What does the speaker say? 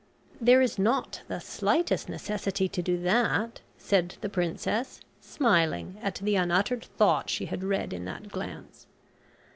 "There is not the slightest necessity to do that," said the princess, smiling at the unuttered thought she had read in that glance.